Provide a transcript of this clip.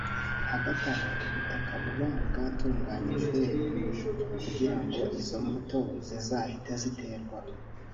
Hagati aho ubutaka buba bwatunganyijwe kugira ngo izo mbuto zizahite ziterwa